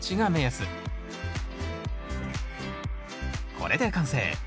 これで完成。